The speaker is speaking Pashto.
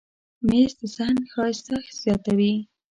مېز د صحن ښایست زیاتوي.